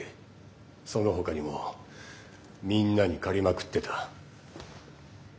そのほかにもみんなに借りまくってた。